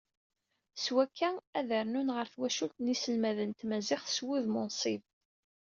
S wakka ad rnun ɣer twacult n yiselmaden n tmaziɣt s wudem unṣib.